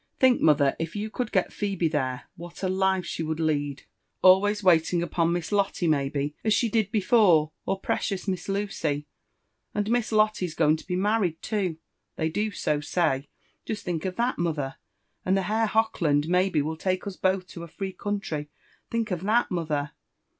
Think, mother, if you could get Phebe there, what a life she would lead, always waiting upon Miss Lotte maybe, as she did be fore, or precieuft Miss Lucy . And Miss Lotto's going to be married too, they do so say,—iust think oFtbat, mother ; and the Herr Hochland maybe will take us both to a free country— think of that, mother."